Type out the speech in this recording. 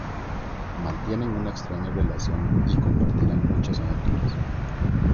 Mantienen una extraña relación y compartirán muchas aventuras.